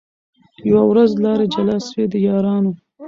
یوه ورځ لاري جلا سوې د یارانو